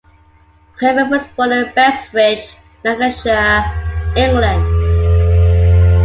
Creme was born in Prestwich, Lancashire, England.